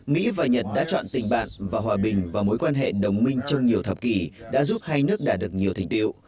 mỹ và nhật đã chọn tình bạn và hòa bình và mối quan hệ đồng minh trong nhiều thập kỷ đã giúp hai nước đạt được nhiều thành tiêu